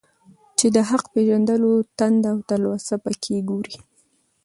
چي د حق پېژندو تنده او تلوسه په كي گورې.